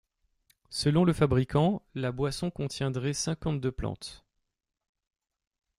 Selon le fabricant, la boisson contiendrait cinquante-deux plantes.